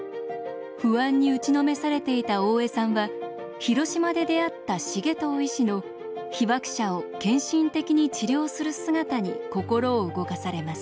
不安に打ちのめされていた大江さんは広島で出会った重藤医師の被爆者を献身的に治療する姿に心を動かされます。